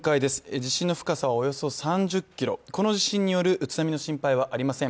地震の深さはおよそ３０ｋｍ、この地震による津波の心配はありません。